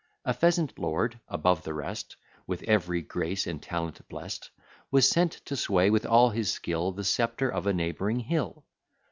A pheasant lord, above the rest, With every grace and talent blest, Was sent to sway, with all his skill, The sceptre of a neighbouring hill.